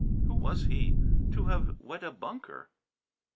Who was he to have wed a Bunker!